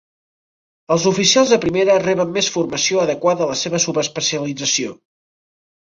Els oficials de primera reben més formació adequada a la seva subespecialització.